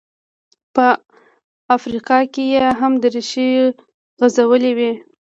په افریقا کې یې هم ریښې غځولې وې.